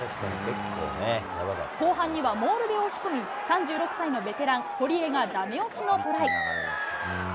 後半にはモールで押し込み、３６歳のベテラン、堀江がだめ押しのトライ。